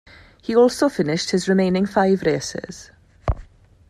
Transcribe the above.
He also finished his remaining five races.